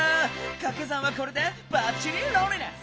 かけ算はこれでばっちりロンリネス！